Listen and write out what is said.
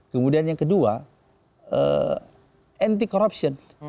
kemudian yang kedua anti corruption